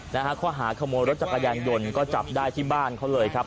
นะฮะข้อหาขโมยรถจักรยานยนต์ก็จับได้ที่บ้านเขาเลยครับ